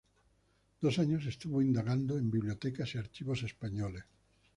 Dos años estuvo indagando en bibliotecas y archivos españoles.